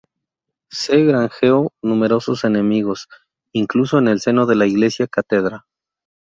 Se granjeó numerosos enemigos, incluso en el seno de la iglesia-catedra.